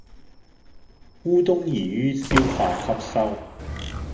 烏冬易於消化吸收